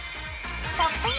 「ポップイン！